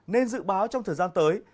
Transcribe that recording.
nên dự báo trong thời gian tới